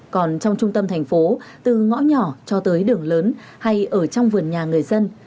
còn trong trung tâm thành phố từ ngõ nhỏ cho tới đường lớn hay ở trong vườn nhà người dân